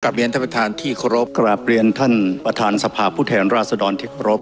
เรียนท่านประธานที่เคารพกราบเรียนท่านประธานสภาพผู้แทนราชดรที่เคารพ